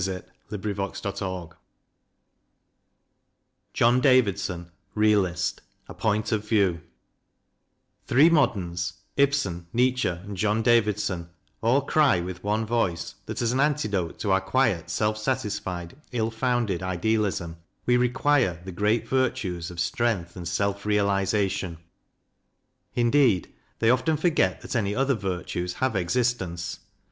Ill CRITICAL STUDIES JOHN DAVIDSON: REALIST A POINT OF VIEW THREE moderns, Ibsen, Nietzsche, and John Davidson, all cry with one voice that as an antidote to our quiet, self satisfied, ill founded idealism, we require the great virtues of strength and self realization. Indeed, they often forget that any other virtues have existence.